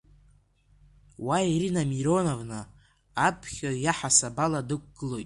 Уа Ирина Миронова аԥхьаҩ иаҳасаб ала дықәгылоит.